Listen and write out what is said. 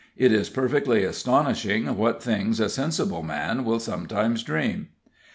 It is perfectly astonishing what things a sensible man will sometimes dream.